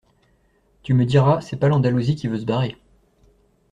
Tu me diras c’est pas l’Andalousie qui veut se barrer